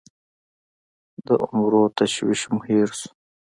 د عمرو تشویش مو هېر سوو